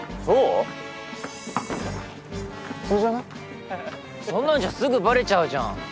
そんなんじゃすぐバレちゃうじゃん！